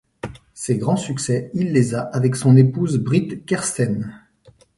Ses grands succès, il les a avec son épouse Britt Kersten.